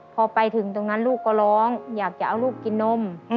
พอไปถึงตรงนั้นลูกก็ร้องอยากจะเอาลูกกินนม